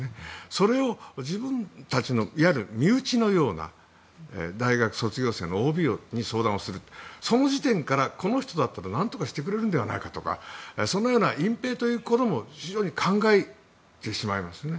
それを自分たちのいわゆる身内のような大学卒業生のＯＢに相談するという時点からこの人だったら何とかしてくれるのではないかとかそのような隠蔽ということも非常に考えてしまいますよね。